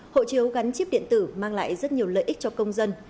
hộ chiếu gắn chip điện tử mang lại rất nhiều lợi ích cho công dân